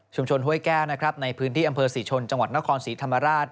ห้วยแก้วนะครับในพื้นที่อำเภอศรีชนจังหวัดนครศรีธรรมราช